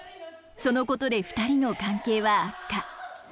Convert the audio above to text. そのことで２人の関係は悪化。